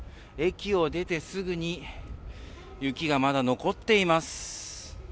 駅を出て、すぐに雪がまだ残っています。